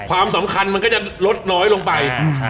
ความสำคัญมันก็จะลดน้อยลงไป